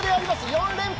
４連覇！